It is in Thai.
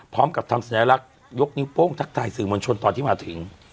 พร้อมกับทำสัญลักษณ์ยกนิ้วโป้งทักทายสื่อมวลชนตอนที่มาถึง